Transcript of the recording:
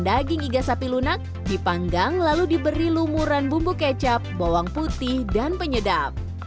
daging iga sapi lunak dipanggang lalu diberi lumuran bumbu kecap bawang putih dan penyedap